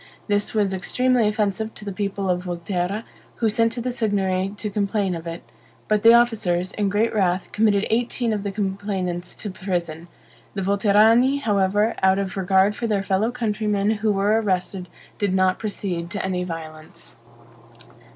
This was extremely offensive to the people of Volterra, who sent to the Signory to complain of it; but the officers, in great wrath, committed eighteen of the complainants to prison. The Volterrani, however, out of regard for their fellow countrymen who were arrested, did not proceed to any violence.